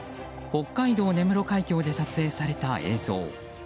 北海道根室海峡で撮影された映像。